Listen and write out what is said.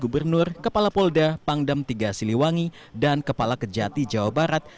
gubernur kepala polda pangdam tiga siliwangi dan kepala kejati jawa barat